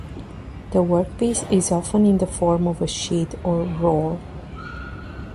The workpiece is often in the form of a sheet or roll.